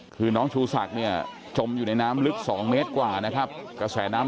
คือน้องชูศักดิ์เนี่ยจมอยู่ในน้ำลึก๒เมตรกว่านะครับกระแสน้ำ